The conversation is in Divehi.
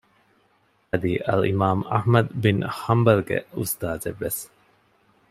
އަދި އަލްއިމާމު އަޙްމަދު ބިން ޙަންބަލުގެ އުސްތާޒެއްވެސް